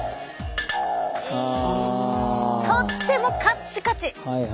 とってもカッチカチ！